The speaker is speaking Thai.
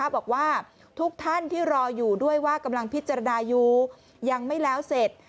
บอกว่าทุกท่านที่รออยู่ด้วยว่ากำลังพิจารณาอยู่ยังไม่แล้วเสร็จ